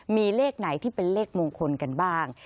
มีเลขไหนที่เป็นเลขมงคลกันบ้าง